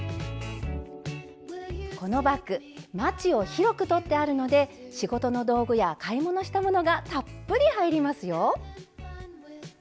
このバッグまちを広く取ってあるので仕事の道具や買い物したものがたっぷり入りますよ。